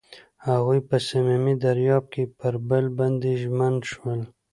هغوی په صمیمي دریاب کې پر بل باندې ژمن شول.